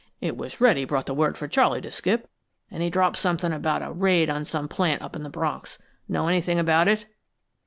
"It was Reddy brought the word for Charley to skip, and he dropped somethin' about a raid on some plant up in the Bronx. Know anything about it?"